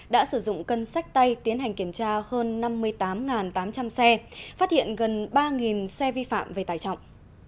đã sử dụng cân sách tay tiến hành kiểm tra hơn năm mươi tám tám trăm linh xe phát hiện gần ba xe vi phạm về tải trọng